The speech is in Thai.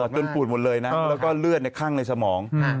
โอ้โหดูโดนปูดหมดเลยนะแล้วก็เลือดในข้างในสมอง